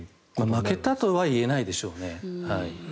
負けたとは言えないでしょうね。